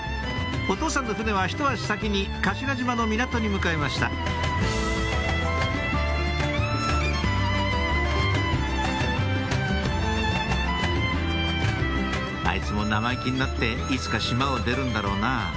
お父さんの船はひと足先に頭島の港に向かいました「あいつも生意気になっていつか島を出るんだろうな」